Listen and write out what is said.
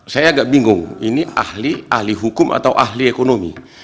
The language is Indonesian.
saya agak bingung ini ahli ahli hukum atau ahli ekonomi